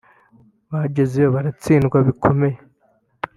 Bagezeyo baratsindwa bikomeye